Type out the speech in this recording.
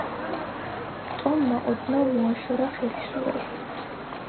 ტომმა ოდნავ მოაშორა ხელი სურათს....